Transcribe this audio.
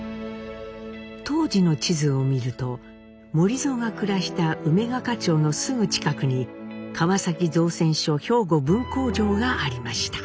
当時の地図を見ると守造が暮らした梅ヶ香町のすぐ近くに川崎造船所兵庫分工場がありました。